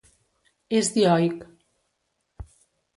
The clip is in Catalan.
És dioic.